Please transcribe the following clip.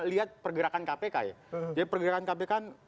lihat pergerakan kpk ya jadi pergerakan kpk kan